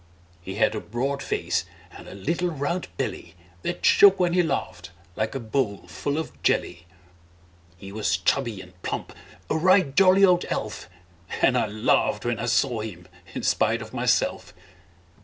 He had a broad face, and a little round belly That shook when he laughed, like a bowl full of jelly. He was chubby and plump a right jolly old elf; And I laughed when I saw him in spite of myself.